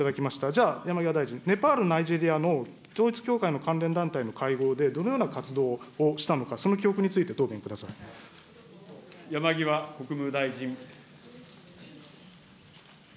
じゃあ、山際大臣、ネパール、ナイジェリアの統一教会の関連団体の会合でどのような活動をしたのか、その記憶について答弁くださ山際国務大臣。